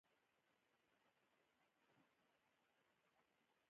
هر پنځه ګون د یوې سکې په اندازه پیر لري